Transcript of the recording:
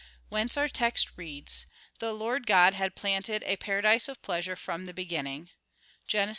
Whence our text reads: "The Lord God had planted a paradise of pleasure from the beginning" (Gen. 2:8).